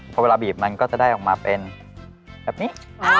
พอเวลาบีบมันก็จะได้ออกมาเป็นแบบนี้